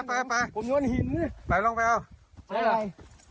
เอาตัวไปไปลงไปเอา